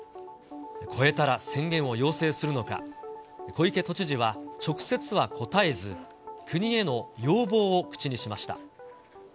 超えたら宣言を要請するのか、小池都知事は直接は答えず、国への要望を口にしました。